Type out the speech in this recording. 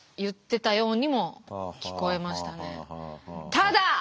「ただ」。